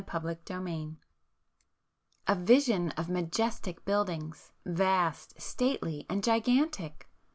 Back [p 447]XXXIX A vision of majestic buildings, vast, stately and gigantic!